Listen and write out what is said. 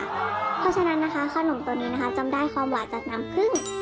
เพราะฉะนั้นนะคะขนมตัวนี้นะคะจำได้ความหวานจากน้ำพึ่ง